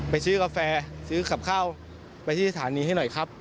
ซื้อกาแฟซื้อกับข้าวไปที่สถานีให้หน่อยครับ